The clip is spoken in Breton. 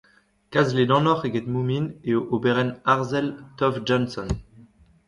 Kalz ledanoc'h eget Moomin eo oberenn arzel Tove Jansson.